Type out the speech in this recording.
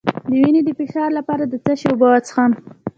د وینې د فشار لپاره د څه شي اوبه وڅښم؟